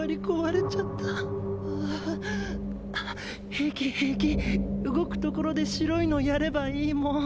平気平気動くところで“白いの”やればいいもん。